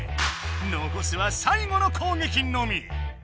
のこすはさいごの攻撃のみ。